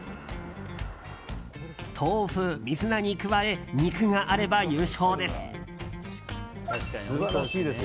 豆腐、水菜に加え肉があれば優勝です。